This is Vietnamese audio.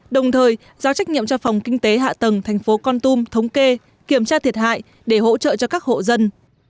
đồng thời giao trách nhiệm cho phòng kinh tế hạ tầng thành phố con tum thống kê kiểm tra thiệt hại để hỗ trợ cho các hộ dân